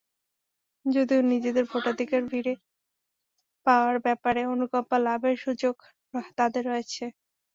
যদিও নিজেদের ভোটাধিকার ফিরে পাওয়ার ব্যাপারে অনুকম্পা লাভের সুযোগ তাঁদের রয়েছে।